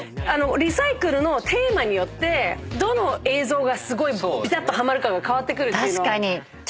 リサイクルのテーマによってどの映像がすごいピタッとはまるかが変わってくるのは面白いね。